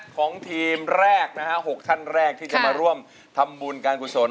ของทีมแรกนะฮะ๖ท่านแรกที่จะมาร่วมทำบุญการกุศล